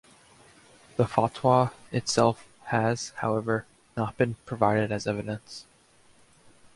The fatwa itself has, however, not been provided as evidence.